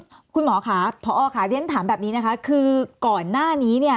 คุณหมอค่ะพอค่ะเรียนถามแบบนี้นะคะคือก่อนหน้านี้เนี่ย